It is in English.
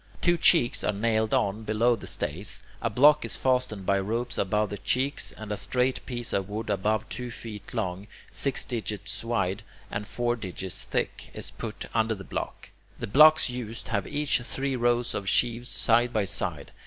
Two cheeks are nailed on below the stays, a block is fastened by ropes above the cheeks, and a straight piece of wood about two feet long, six digits wide, and four digits thick, is put under the block. The blocks used have each three rows of sheaves side by side.